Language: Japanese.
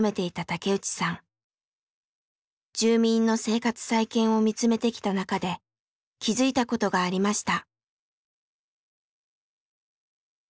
住民の生活再建を見つめてきた中で気付いたことがありました。